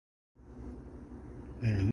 كأن خبوء الشمس ثم غروبها